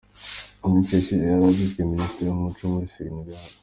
Mu minsi yashize yari yagizwe Minisitiri w’Umuco muri Senegal.